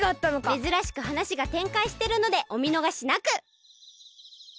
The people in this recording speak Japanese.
めずらしくはなしがてんかいしてるのでおみのがしなく！